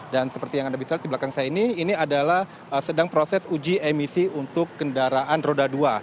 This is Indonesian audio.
dan seperti yang anda bisa lihat di belakang saya ini ini adalah sedang proses uji emisi untuk kendaraan roda dua